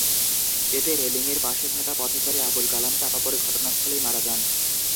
এতে রেলিংয়ের পাশে থাকা পথচারী আবুল কালাম চাপা পড়ে ঘটনাস্থলেই মারা যান।